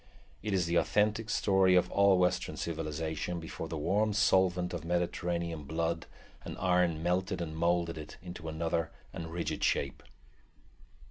It is the authentic story of all western civilization before the warm solvent of Mediterranean blood and iron melted and moulded it into another and rigid shape.